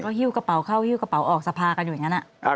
หิ้วกระเป๋าเข้าฮิ้วกระเป๋าออกสภากันอยู่อย่างนั้น